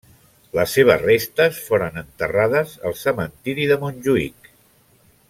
Les seves restes foren enterrades al Cementiri de Montjuïc.